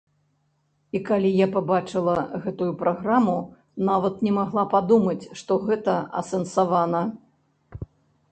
І калі я пабачыла гэтую праграму, нават не магла падумаць, што гэта асэнсавана.